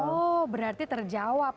oh berarti terjawab